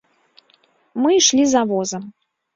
Мы ішлі за возам.